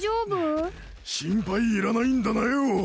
心配いらないんだなよ！